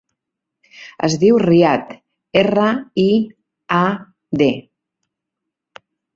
Es diu Riad: erra, i, a, de.